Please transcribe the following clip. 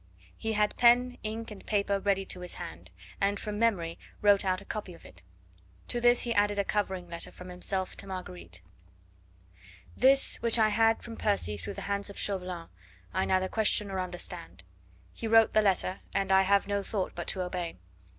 He had pen, ink and paper ready to his hand, and from memory wrote out a copy of it. To this he added a covering letter from himself to Marguerite: This which I had from Percy through the hands of Chauvelin I neither question nor understand.... He wrote the letter, and I have no thought but to obey.